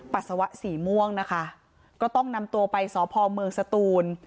ปัสสาวะสีม่วงนะคะก็ต้องนำตัวไปสพเมืองสตูน